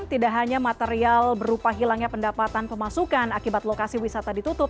tidak hanya material berupa hilangnya pendapatan pemasukan akibat lokasi wisata ditutup